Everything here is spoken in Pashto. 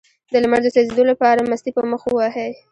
د لمر د سوځیدو لپاره مستې په مخ ووهئ